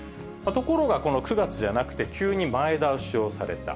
ところが、この９月じゃなくて、急に前倒しをされた。